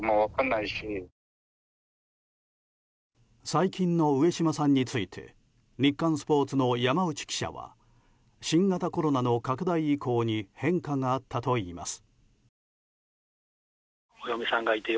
最近の上島さんについて日刊スポーツの山内記者は新型コロナの拡大以降に変化があったといいます。